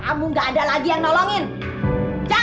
pak bukan begitu dong pak